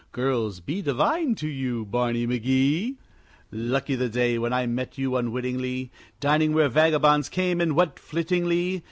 Girls be divine to you, Barney McGee! Lucky the day when I met you unwittingly, Dining where vagabonds came and went flittingly.